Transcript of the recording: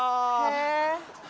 え。